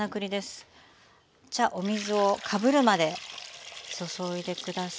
じゃお水をかぶるまで注いで下さい。